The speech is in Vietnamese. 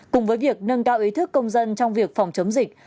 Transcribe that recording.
cùng với việc nâng cao ý thức công dân trong việc phòng chống dịch